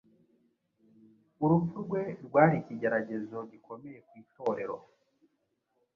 Urupfu rwe rwari ikigeragezo gikomeye ku Itorero,